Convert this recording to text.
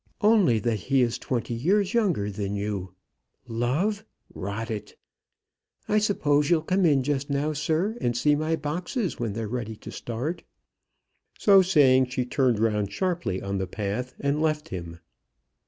Only that he is twenty years younger than you. Love! Rot it! I suppose you'll come in just now, sir, and see my boxes when they're ready to start." So saying, she turned round sharply on the path and left him.